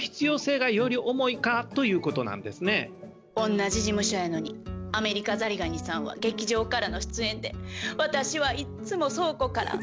同じ事務所やのにアメリカザリガニさんは劇場からの出演で私はいつも倉庫から。